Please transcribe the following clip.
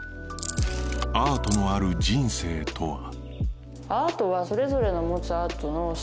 アートのある人生とは？